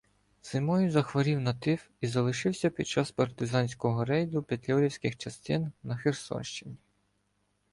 Зимою захворів на тиф і залишився під час партизанського рейду петлюрівських частин на Херсонщині.